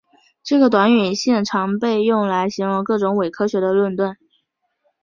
这个短语现常被用来形容各种伪科学的论断。